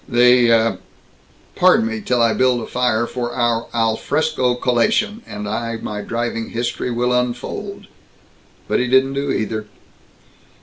"The Pardon me till I build a fire for our al fresco collation, and I my driving history will unfold." But he didn't do either.